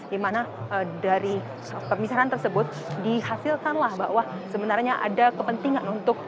dimana dari pemisahan tersebut dihasilkanlah bahwa sebenarnya ada kepentingan untuk